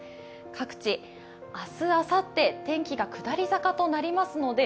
各地、明日、あさって天気が下り坂となりますので、